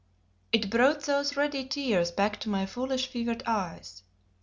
It brought those ready tears back to my foolish, fevered eyes.